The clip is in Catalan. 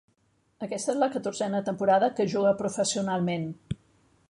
Aquesta és la catorzena temporada que juga professionalment.